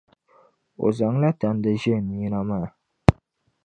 O zaŋla tandi ʒe n nina maa.